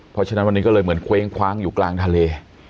เพราะฉะนั้นวันนี้ก็เลยเหมือนเคว้งคว้างอยู่กลางทะเล